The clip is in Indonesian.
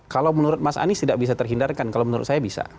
kalau menurut mas anies tidak bisa terhindarkan kalau menurut saya bisa